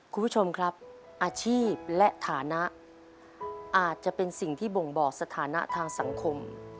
คุณผู้ชมครับอาชีพและฐานะอาจจะเป็นสิ่งที่บ่งบอกสถานะทางสังคม